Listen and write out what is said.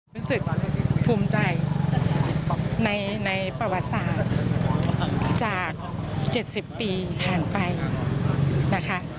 รู้สึกภูมิใจในประวัติศาสตร์จาก๗๐ปีผ่านไปนะคะ